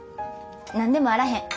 何でもあらへん。